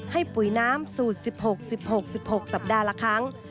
ปุ๋ยน้ำสูตร๑๖๑๖๑๖สัปดาห์ละครั้ง